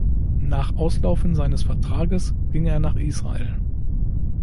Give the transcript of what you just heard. Nach Auslaufen seines Vertrages ging er nach Israel.